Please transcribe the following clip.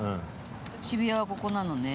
渋谷はここなのね。